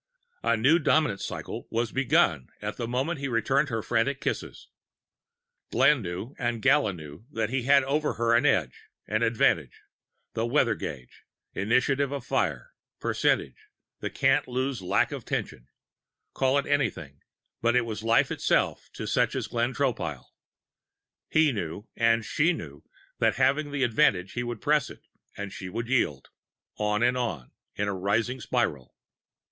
A new dominance cycle was begun at the moment he returned her frantic kisses. Glenn knew, and Gala knew, that he had over her an edge, an advantage the weather gauge, initiative of fire, percentage, the can't lose lack of tension. Call it anything, but it was life itself to such as Glenn Tropile. He knew, and she knew, that having the advantage he would press it and she would yield on and on, in a rising spiral.